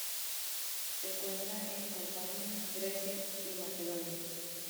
Se encuentra en Albania, Grecia y Macedonia.